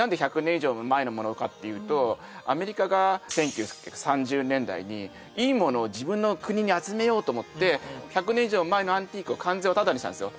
以上前のものかっていうとアメリカが１９３０年代にいいものを自分の国に集めようと思って１００年以上前のアンティークを関税をタダにしたんですよ